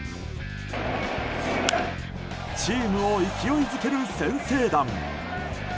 チームを勢いづける先制弾。